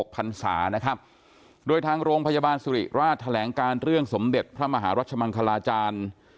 พันศานะครับโดยทางโรงพยาบาลสุริราชแถลงการเรื่องสมเด็จพระมหารัชมังคลาจารย์